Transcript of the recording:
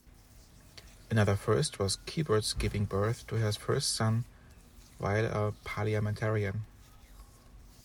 Another first was Kyburz giving birth to her first son while a parliamentarian.